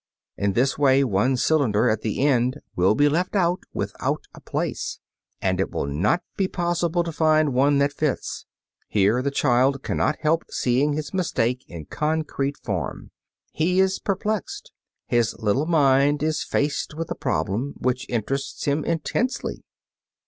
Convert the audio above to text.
In this way one cylinder at the end will be left out without a place, and it will not be possible to find one that fits. Here the child cannot help seeing his mistake in concrete form. He is perplexed, his little mind is faced with a problem which interests him intensely.